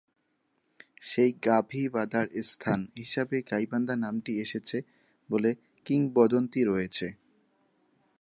সেই গাভী বাধার স্থান হিসাবে গাইবান্ধা নামটি এসেছে বলে কিংবদন্তী রয়েছে।